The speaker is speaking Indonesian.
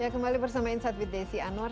kembali bersama insight with desi anwar